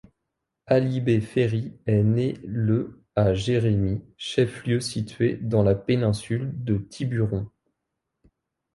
Alibée Féry est né le à Jérémie, chef-lieu situé dans la péninsule de Tiburon.